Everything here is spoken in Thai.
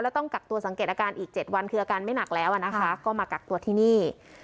แล้วต้องกักตัวสังเกตอาการอีก๗วันคืออาการไม่หนักแล้วนะคะก็มากักตัวที่นี่